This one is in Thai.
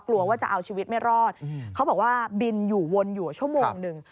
กลัวว่าจะเอาชีวิตไม่รอดเขาบอกว่าบินอยู่วนอยู่ชั่วโมงหนึ่ง